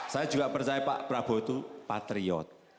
saya juga percaya pak prabowo itu patriot